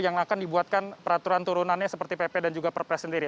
yang akan dibuatkan peraturan turunannya seperti pp dan juga perpres sendiri